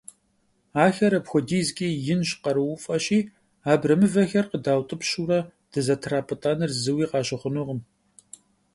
Ахэр апхуэдизкӀэ инщ, къарууфӀэщи, абрэмывэхэр къыдаутӀыпщурэ дызэтрапӀытӀэныр зыуи къащыхъунукъым.